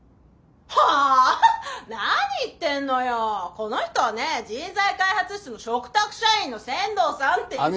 この人はね人材開発室の嘱託社員の千堂さんっていって。